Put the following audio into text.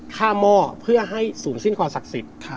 ข้าม่อเพื่อให้สูงสิ้นความสักศิษย์